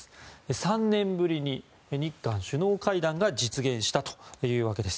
３年ぶりに日韓首脳会談が実現したというわけです。